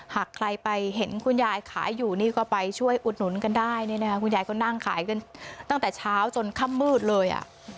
หากใครไปเห็นคุณยายขายอยู่นี่ก็ไปช่วยอุดหนุนกันได้เนี่ยนะคะคุณยายก็นั่งขายกันตั้งแต่เช้าจนค่ำมืดเลยอ่ะ